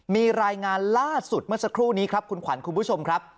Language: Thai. มีรายงานล่าสุดเมื่อสักครู่นี้ครับคุณขวัญคุณผู้ชมครับ